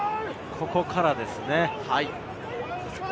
ここからですよね。